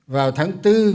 vào tháng bốn